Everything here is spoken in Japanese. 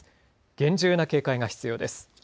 厳重な警戒が必要です。